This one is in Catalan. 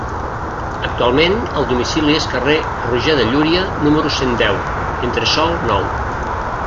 Actualment el domicili és carrer Roger de Llúria, número cent deu, entresòl nou.